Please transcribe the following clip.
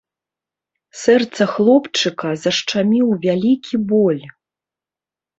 Сэрца хлопчыка зашчаміў вялікі боль.